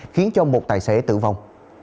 khiến một tài xế tử vong